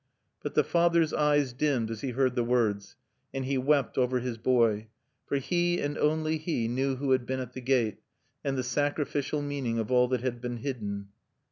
But the father's eyes dimmed as he heard the words, and he wept over his boy. For he, and only he, knew who had been at the gate, and the sacrificial meaning of all that had been hidden.